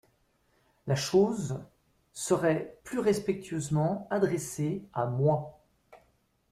La chose serait plus respectueusement adressée à moi.